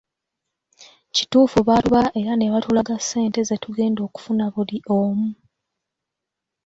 Kituufu baatubala era ne batulaga ssente ze tugenda okufuna buli omu.